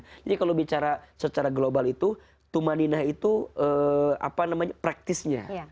jadi kalau bicara secara global itu tumma nina itu apa namanya praktisnya